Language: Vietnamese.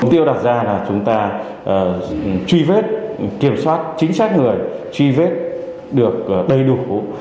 công tiêu đặt ra là chúng ta truy vết kiểm soát chính sách người truy vết được đầy đủ